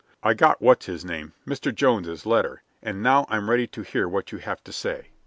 I got what's his name Mr. Jones's letter, and now I am ready to hear what you have to say."